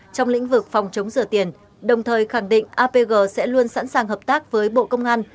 trong lĩnh vực phòng chống rửa tiền đồng thời khẳng định apg sẽ luôn sẵn sàng hợp tác với bộ công an